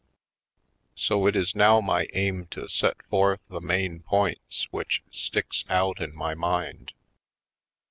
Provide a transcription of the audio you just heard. So it is now my aim to set forth the main points which sticks out in my mind.